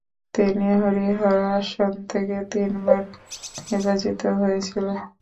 তিনি হরিহর আসন থেকে তিনবার নির্বাচিত হয়েছিলেন।